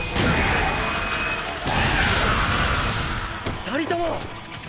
２人とも！